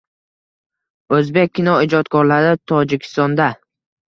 O‘zbek kinoijodkorlari Tojikistonda